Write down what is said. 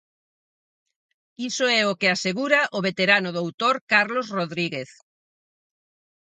Iso é o que asegura o veterano doutor Carlos Rodríguez.